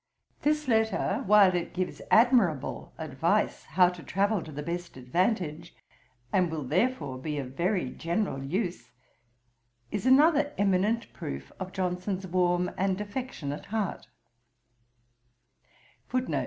This letter, while it gives admirable advice how to travel to the best advantage, and will therefore be of very general use, is another eminent proof of Johnson's warm and affectionate heart.